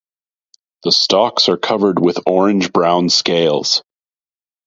The stalks are covered with orange-brown scales.